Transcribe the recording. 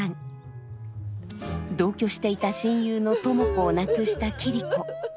同居していた親友の知子を亡くした桐子。